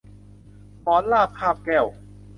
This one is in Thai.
หมอบราบคาบแก้ว